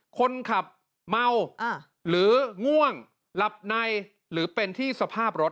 คนขับเมาหรือง่วงหลับในหรือเป็นที่สภาพรถ